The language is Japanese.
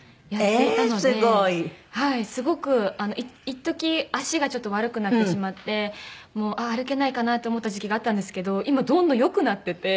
いっとき足がちょっと悪くなってしまってもう歩けないかなって思った時期があったんですけど今どんどん良くなってて。